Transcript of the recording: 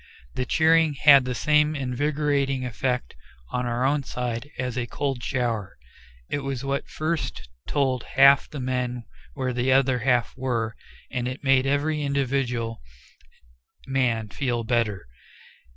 The cheering had the same invigorating effect on our own side as a cold shower; it was what first told half the men where the other half were, and it made every individual man feel better.